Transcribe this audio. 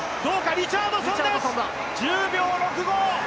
リチャードソンです、１０秒６５！